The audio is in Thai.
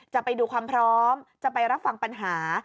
จะไปดูความพร้อมจะไปรับฟังปัญหา